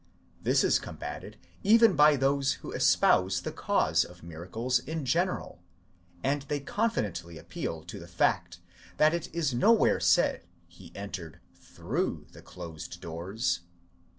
This is combated even by those who espouse the cause of miracles in general, and they confidently appeal to the fact, that it is nowhere said, he entered through the closed doors διὰ τῶν θυρῶν κεκλεισ μένον.